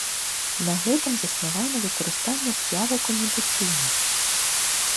На гэтым заснавана выкарыстанне п'явак у медыцыне.